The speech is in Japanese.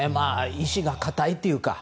意志が固いというか。